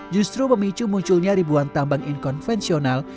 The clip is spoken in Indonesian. justru memicu munculnya ribuan tambang inkonvensional